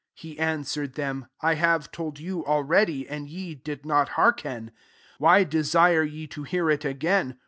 27 He answered them, " I have told you already, and ye did not hearken : why de sire ye to hear it again